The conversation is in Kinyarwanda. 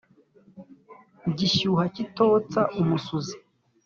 Gishyuha kitotsa-Umusuzi.